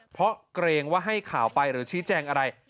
เพราะเกรงว่าให้ข่าวไปหรือชี้แจงอะไร